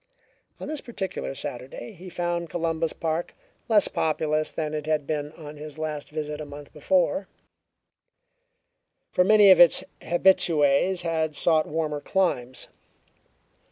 On this particular Saturday he found Columbus Park less populous than it had been on his last visit a month before, for many of its habitues had sought warmer climes.